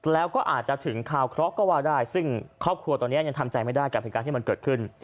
แล้วก็อาจจะถึงคาวเคราะห์ก็ว่าได้ซึ่งครอบครัวตอนนี้ยังทำใจไม่ได้กับเหตุการณ์ที่มันเกิดขึ้น